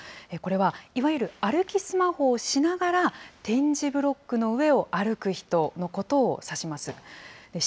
これはいわゆる歩きスマホをしながら、点字ブロックの上を歩く人のことを指します。